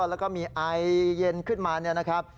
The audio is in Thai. แล้วก็มีไอเย็นขึ้นมา